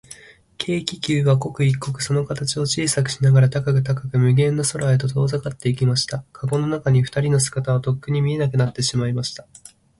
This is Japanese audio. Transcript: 軽気球は、刻一刻、その形を小さくしながら、高く高く、無限の空へと遠ざかっていきました。かごの中のふたりの姿は、とっくに見えなくなっていました。